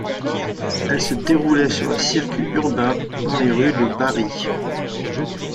Elle se déroulait sur un circuit urbain, dans les rues de Bari.